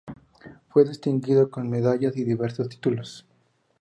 Fue distinguido con medallas y diversos títulos.